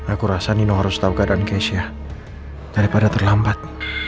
aku rasa nino harus tau keadaan keisha daripada terlambat